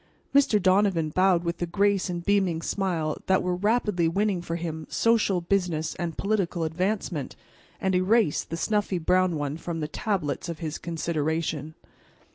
Mr. Donovan bowed with the grace and beaming smile that were rapidly winning for him social, business and political advancement, and erased the snuffy brown one from the tablets of his consideration.